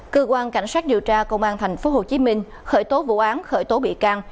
cơ quan cảnh sát điều tra công an tp hcm khởi tố vụ án khởi tố bị can